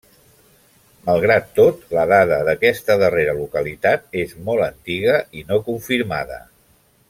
Malgrat tot, la dada d'aquesta darrera localitat és molt antiga i no confirmada.